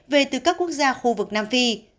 về từ các quốc gia khu vực nam phi